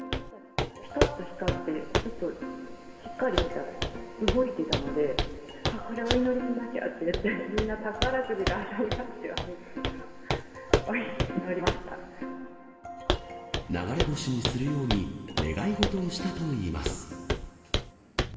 ぴかっと光って、ちょっと、しっかり見たら動いてたので、あっ、これお祈りしなきゃって言って、みんな宝くじが当たりますように流れ星にするように、願い事をしたといいます。